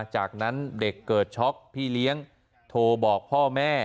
จากนั้นเด็กเกิดช็อกพี่เลี้ยงโทรบอกพ่อแม่